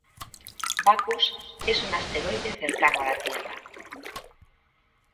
Bacchus es un asteroide cercano a la Tierra.